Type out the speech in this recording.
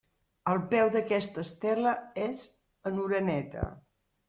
El peu d'aquesta estela és en oreneta.